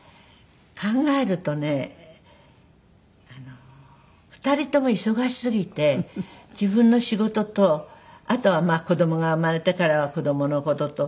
考えるとね２人とも忙しすぎて自分の仕事とあとは子供が生まれてからは子供の事と。